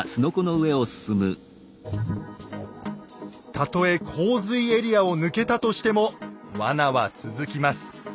たとえ洪水エリアを抜けたとしても罠は続きます。